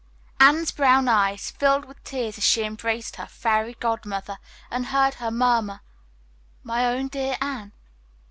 Anne's brown eyes filled with tears as she embraced her "fairy godmother" and heard her murmur, "My own dear Anne."